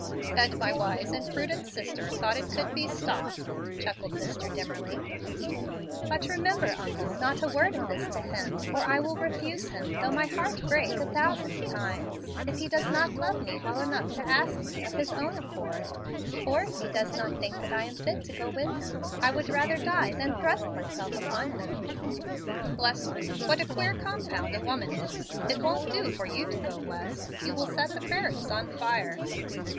"And my wise and prudent sister thought it could be 'stopped,'" chuckled Mr. Dimmerly. "But remember, uncle, not a word of this to him, or I will refuse him though my heart break a thousand times. If he does not love me well enough to ask me of his own accord, or if he does not think I am fit to go with him, I would rather die than thrust myself upon him." "Bless me, what a queer compound a woman is! It won't do for you to go West. You will set the prairies on fire.